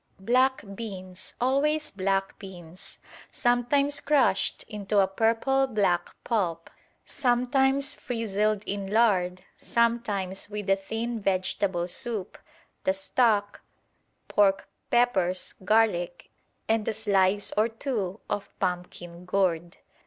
Black beans, always black beans; sometimes crushed into a purple black pulp, sometimes frizzled in lard, sometimes with a thin vegetable soup, the stock, pork, peppers, garlic, and a slice or two of pumpkin gourd.